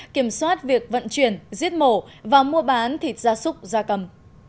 kiểm soát việc vận chuyển giết mổ và mua bán thịt gia súc gia cầm